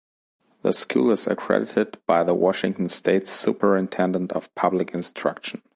The school is accredited by the Washington State Superintendent of Public Instruction.